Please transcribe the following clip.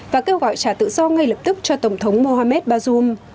và kêu gọi trả tự do ngay lập tức cho tổng thống mohamed bazoum